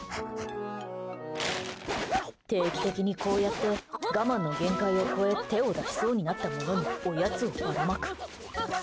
定期的にこうやって我慢の限界を超え手を出しそうになった者におやつをばらまく。